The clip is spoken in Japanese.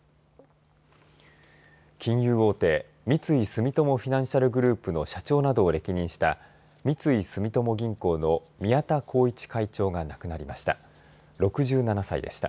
金融大手三井住友フィナンシャルグループの社長などを歴任した三井住友銀行の宮田孝一会長が亡くなりました。